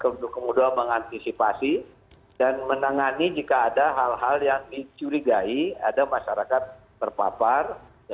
untuk kemudian mengantisipasi dan menangani jika ada hal hal yang dicurigai ada masyarakat terpapar